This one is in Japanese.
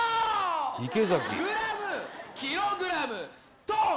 池崎グラムキログラムトン！